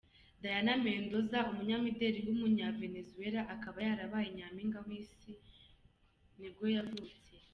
Dayana Mendoza, umunyamideli w’umunya-Venezuela akaba yarabaye nyampinga w’isi wa nibwo yavutse.